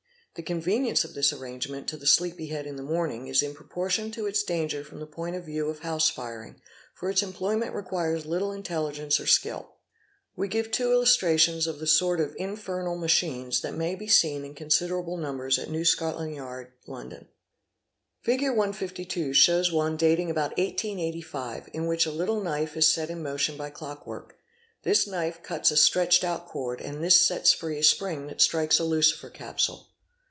The convenience of this arrangement to the sleepy head in the morning is in proportion to its danger from the point of view of house firing, for its employment requires little intelligence or ' skill. We give two illustrations of the sort of ''infernal machines" Fig. 152. that may be seen in considerable numbers at New Scotland Yard, London. Fig. 152 shows one dating about 1885 in which a little knife is set in motion by clock work ; this knife cuts a stretched out cord and this sets free a spring that strikes a lucifer capsule.